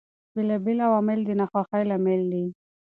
بېلابېل عوامل د ناخوښۍ لامل دي.